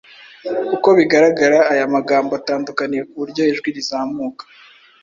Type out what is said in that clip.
Uko bigaragara aya magambo atandukaniye ku buryo ijwi rizamuka,